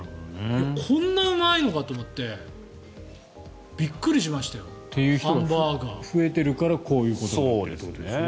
こんなうまいのかと思ってびっくりしましたよ。という人が増えてるからこういうことでしょ。